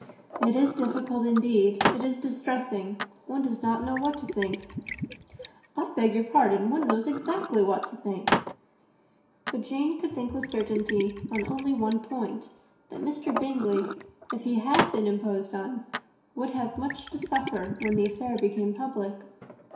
"It is difficult, indeed it is distressing. One does not know what to think." "I beg your pardon; one knows exactly what to think." But Jane could think with certainty on only one point, that Mr. Bingley, if he had been imposed on, would have much to suffer when the affair became public.